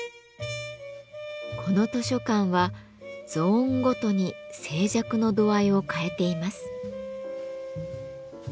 この図書館はゾーンごとに静寂の度合いを変えています。